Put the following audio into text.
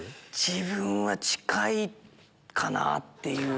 自分は近いかなっていう。